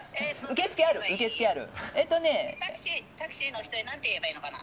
タクシーの人になんて言えばいいのかな。